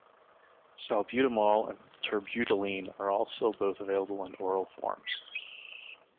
Salbutamol and terbutaline are also both available in oral forms.